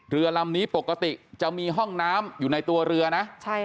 เรือลำนี้ปกติจะมีห้องน้ำอยู่ในตัวเรือนะ